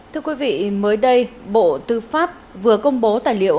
thưa quý vị mới đây bộ tư pháp vừa công bố tài liệu